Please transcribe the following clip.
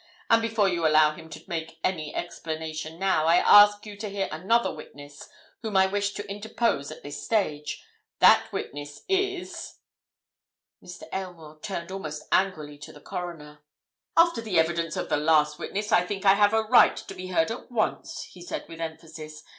"And before you allow him to make any explanation now, I ask you to hear another witness whom I wish to interpose at this stage. That witness is——" Mr. Aylmore turned almost angrily to the Coroner. "After the evidence of the last witness, I think I have a right to be heard at once!" he said with emphasis.